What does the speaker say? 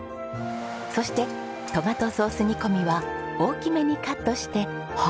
そしてトマトソース煮込みは大きめにカットしてほっくり。